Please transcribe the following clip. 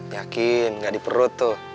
yakin gak diperut tuh